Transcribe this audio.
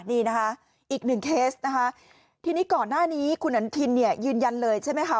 อีกหนึ่งเคสทีนี้ก่อนหน้านี้คุณอนุทินยืนยันเลยใช่ไหมคะ